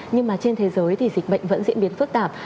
nhưng mà trên thế giới thì dịch bệnh vẫn diễn biến phức tạp